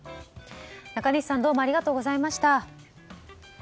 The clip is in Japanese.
中西さん、どうもありがとうございました。